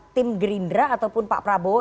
tim gerindra ataupun pak prabowo